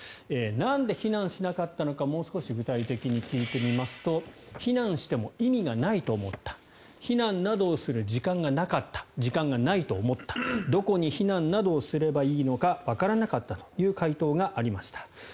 なんで避難しなかったのかもう少し具体的に聞いてみますと避難しても意味がないと思った避難などをする時間がなかった時間がないと思ったどこに避難などをすればいいのかわからなかったという回答がありました。